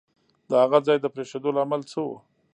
د هغه ځای د پرېښودو لامل څه وو؟